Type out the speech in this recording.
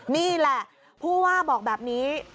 นี่แหละผู้ว่าบอกแบบนี้